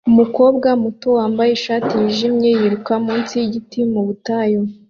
Umukobwa muto wambaye ishati yijimye yiruka munsi yigiti mu butayu